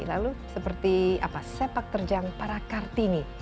lalu seperti apa sepak terjang para kartini